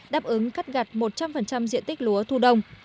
đáp ứng cắt gặt một trăm linh diện tích lúa thu đông